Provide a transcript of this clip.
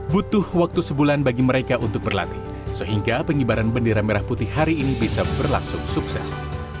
butuh waktu sebulan bagi mereka untuk berlatih sehingga pengibaran bendera merah putih hari ini bisa berlangsung sukses